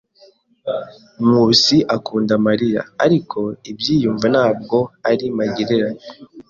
Nkusi akunda Mariya, ariko ibyiyumvo ntabwo ari magirirane.